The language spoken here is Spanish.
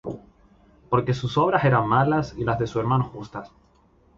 Porque sus obras eran malas, y las de su hermano justas.